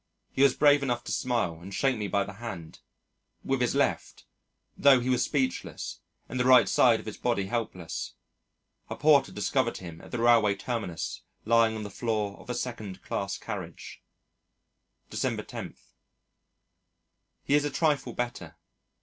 He was brave enough to smile and shake me by the hand with his left, though he was speechless and the right side of his body helpless. A porter discovered him at the railway terminus lying on the floor of a second class carriage. December 10. He is a trifle better.